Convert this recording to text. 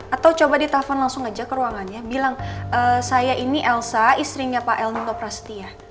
atau coba di telepon langsung aja ke ruangannya bilang saya ini elsa istrinya pak elmindo prastia